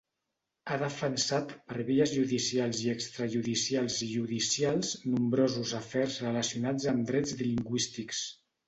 Ha defensat per vies judicials i extrajudicials i judicials nombrosos afers relacionats amb drets lingüístics.